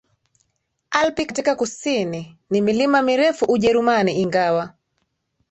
Alpi katika kusini ni milima mirefu Ujerumani ingawa